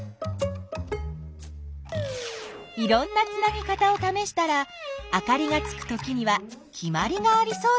いろんなつなぎ方をためしたらあかりがつくときには「きまり」がありそうだった。